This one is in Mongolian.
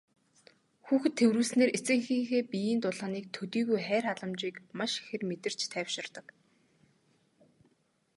Хүүхэд тэврүүлснээр эцэг эхийнхээ биеийн дулааныг төдийгүй хайр халамжийг маш ихээр мэдэрч тайвширдаг.